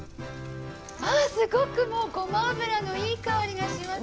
ああすごくもうごま油のいい香りがします！